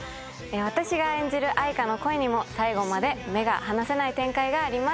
私が演じる藍花の恋にも最後まで目が離せない展開があります。